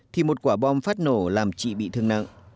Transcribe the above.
thì một quả bom phát nổ làm chị bị thương nặng